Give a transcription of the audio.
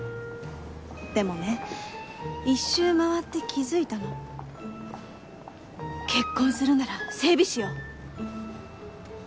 でもね一周回って気づいたの。結婚するなら整備士よ！